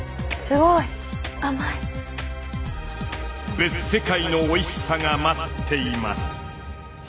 別世界のおいしさが待っています。